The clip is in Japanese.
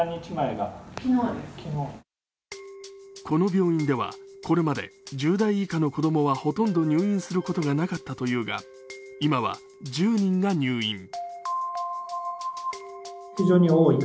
この病院ではこれまで１０代以下の子供はほとんど入院することはなかったというが、今は１０人が入院。